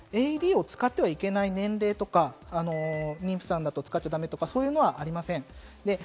ＡＥＤを使ってはいけない年齢とか、妊婦さんだと使っちゃだめとかそういうのありません。